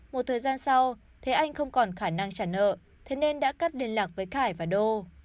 một thời gian sau thế anh không còn khả năng trả nợ thế nên đã cắt liên lạc với khải và đô